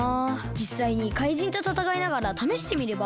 じっさいにかいじんとたたかいながらためしてみれば？